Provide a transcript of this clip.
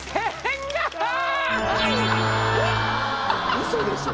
うそでしょ？